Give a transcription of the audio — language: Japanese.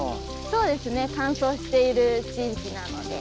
そうですね乾燥している地域なので。